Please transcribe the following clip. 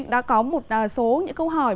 đã có một số câu hỏi